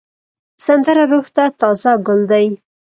سندره روح ته تازه ګل دی